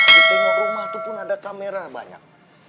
ketengah rumah itu pun ada kamera banyak